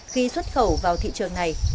khi xuất khẩu vào thị trường này